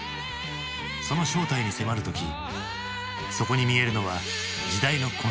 その正体に迫る時そこに見えるのは時代の痕跡か？